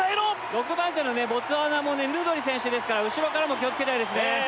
６番以下のねボツワナもねヌドリ選手ですから後ろからも気をつけたいですねええ